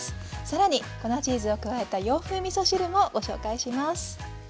更に粉チーズを加えた洋風みそ汁もご紹介します。